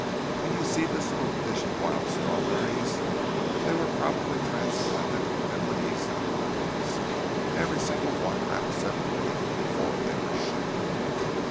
And you see this little dish of wild strawberries—they were probably transplanted and raised in a hothouse, and every single one wrapped separately before they were shipped."